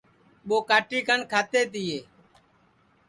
ٻو کاٹی کن کھاتے تیے